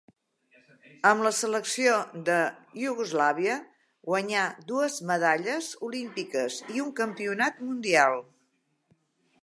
Amb la selecció de Iugoslàvia guanyà dues medalles olímpiques i un campionat mundial.